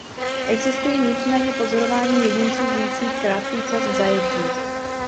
Existují nicméně pozorování jedinců žijících krátký čas v zajetí.